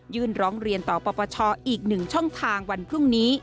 ร้องเรียนต่อปปชอีก๑ช่องทางวันพรุ่งนี้